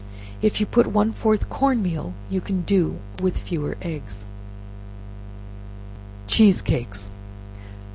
If you put one fourth corn meal, you can do with fewer eggs. Cheese Cakes.